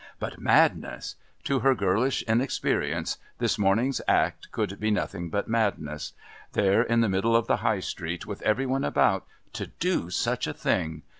But madness! To her girlish inexperience this morning's acts could be nothing but madness. There in the middle of the High Street, with every one about, to do such a thing!